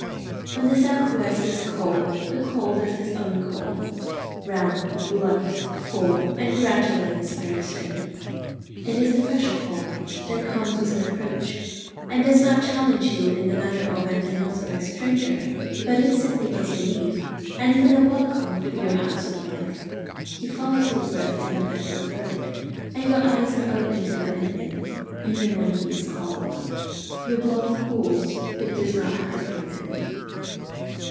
When the south west is cold, the cold is his own cold round, blunt, full, and gradual in its very strength. It is a fresh cold, that comes with an approach, and does not challenge you in the manner of an unauthorised stranger, but instantly gets your leave, and even a welcome to your house of life. He follows your breath in at your throat, and your eyes are open to let him in, even when he is cold. Your blood cools, but does not hide from him.